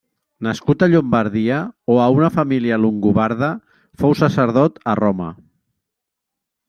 Nascut a Llombardia o a una família longobarda, fou sacerdot a Roma.